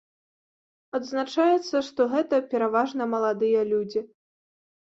Адзначаецца, што гэта пераважна маладыя людзі.